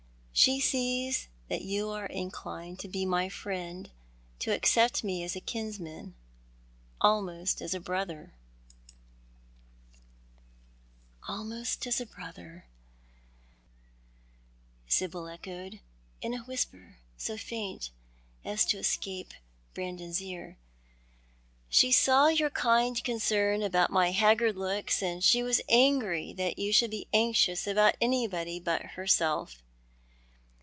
She sees that you are inclined to be my friend — to accept me as a kinsman — almost as a brother " H 98 TJlou art the Ma7t. " Almost as a brother,'' Sibyl echoed, in a whisper so faint as to escaj^e Brandon's ear. "She saw your kind concern abont my bac; gard looks, and she was angry that yon shoiild be anxious about anyone but lierself.